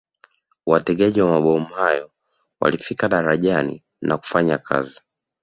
Wategaji wa mabomu hayo walifika darajani na kufanya kazi